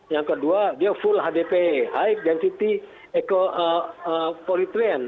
yang kedua dia full hdp high density polytrain